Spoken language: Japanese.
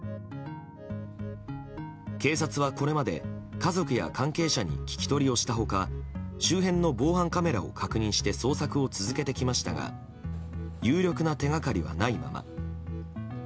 警察はこれまで、家族や関係者に聞き取りをした他周辺の防犯カメラを確認して捜索を続けてきましたが有力な手掛かりはないまま。